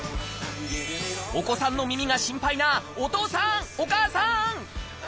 お子さんの耳が心配なお父さんお母さん！